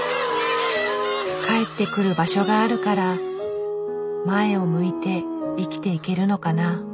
帰ってくる場所があるから前を向いて生きていけるのかな。